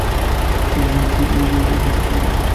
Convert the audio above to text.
রিচি টেপটি কোথায় রেখেছে?